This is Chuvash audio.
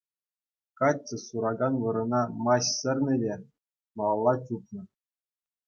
Каччӑ суракан вырӑна маҫ сӗрнӗ те малалла чупнӑ.